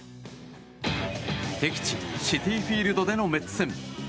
敵地シティーフィールドでのメッツ戦。